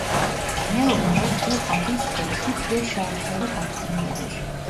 Genel olarak bu hadis tevhit ve şartları hakkındadır.